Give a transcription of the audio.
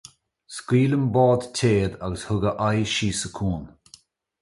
Scaoil an bád téad agus thug a aghaidh síos an cuan.